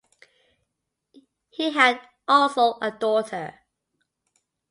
He has also a daughter.